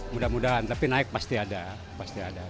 mudah mudahan tapi naik pasti ada